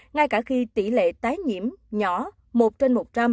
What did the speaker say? ngay cả khi tỷ lệ tái nhiễm nhỏ một trên một trăm linh